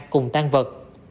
cùng tan vật